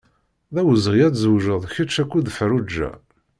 D awezɣi ad tzewǧeḍ kečč akked Ferruǧa.